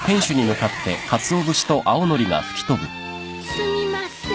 すみません。